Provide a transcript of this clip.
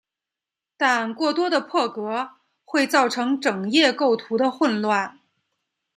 但过多的破格会造成整页构图的混乱。